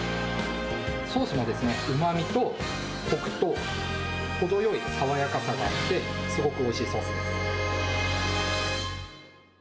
ソースも、うまみとこくと程よい爽やかさがあって、すごくおいしいソースです。